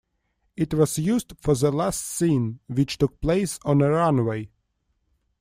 It was used for the last scene, which took place on a runway.